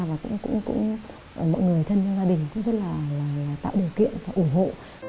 và cũng mọi người thân trong gia đình cũng rất là tạo điều kiện và ủng hộ